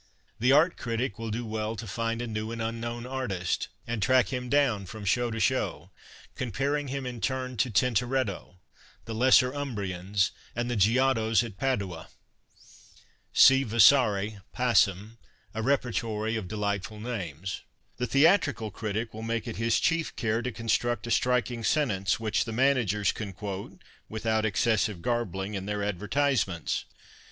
The art critic will do well to find a new and unknown artist and track him down from show to show, cotn[)aring iiim in turn to Tintoretto, the lesser Umbrians, and the Giottos at Padua. (See Vasari passim, a repertory of delight ful names.) The theatrical critic will make it his chief care to construct a striking sentence which the managers can quote, without excessive garbling, in their advertisements.